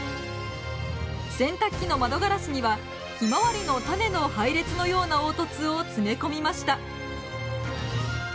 洗濯機の窓ガラスにはヒマワリの種の配列のような凹凸を詰め込みました。